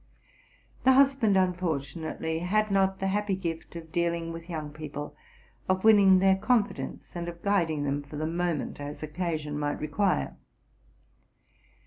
The husband, unfortu nately, had not the happy gift of dealing with young people, of winning their confidence, and of guiding them, for the moment, as occasion might require.